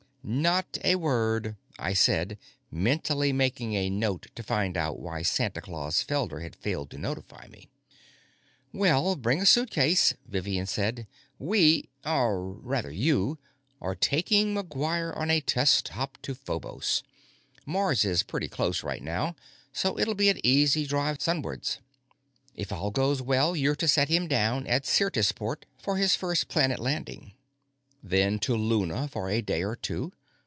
"Not a word," I said, mentally making a note to find out why Santa Claus Felder had failed to notify me. "Well, bring a suitcase," Vivian said. "We or, rather, you are taking McGuire on a test hop to Phobos. Mars is pretty close right now, so it'll be an easy drive sunwards. "If all goes well, you're to set him down at Syrtisport, for his first planet landing. Then to Luna for a day or two.